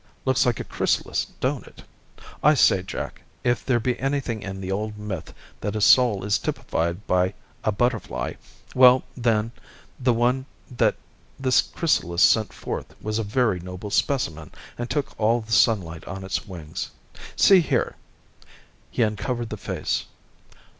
"Looks like a chrysalis, don't it? I say, Jack, if there be anything in the old myth that a soul is typified by a butterfly, well, then the one that this chrysalis sent forth was a very noble specimen and took all the sunlight on its wings. See here!" He uncovered the face.